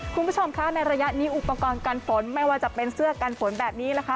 คุณผู้ชมคะในระยะนี้อุปกรณ์กันฝนไม่ว่าจะเป็นเสื้อกันฝนแบบนี้นะคะ